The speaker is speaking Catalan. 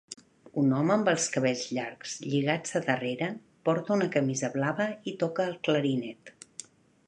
Un home amb els cabells llargs lligats a darrera porta una camisa blava i toca el clarinet.